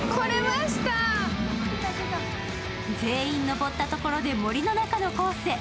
全員上ったところで森の中のコースへ。